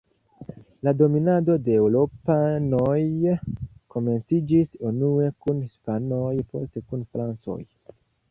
La dominado de eŭropanoj komenciĝis unue kun hispanoj, poste kun francoj.